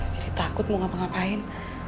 jadi takut mau ngapa ngapain